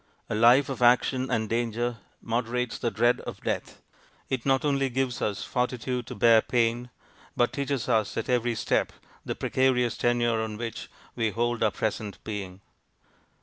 A life of action and danger moderates the dread of death. It not only gives us fortitude to bear pain, but teaches us at every step the precarious tenure on which we hold our present being.